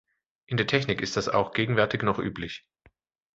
In der Technik ist das auch gegenwärtig noch üblich.